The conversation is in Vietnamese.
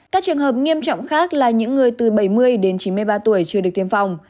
các trường hợp nghiêm trọng khác là những người từ bảy mươi đến chín mươi ba tuổi chưa được tiêm phòng